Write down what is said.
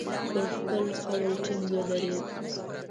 پر خپل قول ټینګ ودرېد.